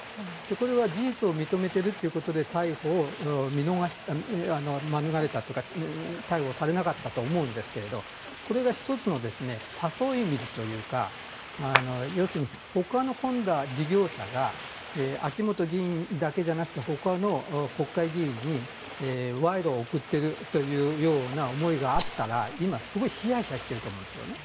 これは事実を認めてるということで逮捕を免れたというか逮捕されなかったと思うんですけどこれが１つの誘い水というか要するに他の事業者が秋本議員だけじゃなくて他の国会議員に賄賂を贈っているという思いがあったら今すごくひやひやしてると思うんですよね。